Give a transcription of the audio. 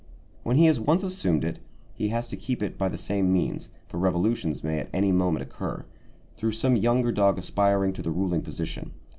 When he has once assumed it, he has to keep it by the same means; for revolutions may at any moment occur, through some younger dog aspiring to the ruling position.